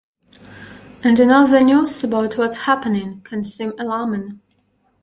And I know the news about what’s happening can seem alarming.